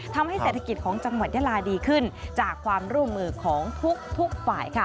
ทำให้เศรษฐกิจของจังหวัดยาลาดีขึ้นจากความร่วมมือของทุกฝ่ายค่ะ